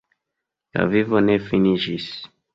La vivo ne finiĝis.